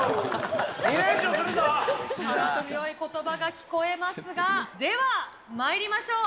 力強いことばが聞こえますが、ではまいりましょう。